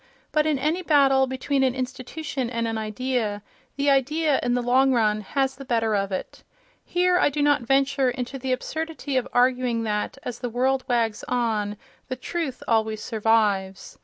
But in any battle between an institution and an idea, the idea, in the long run, has the better of it. Here I do not venture into the absurdity of arguing that, as the world wags on, the truth always survives.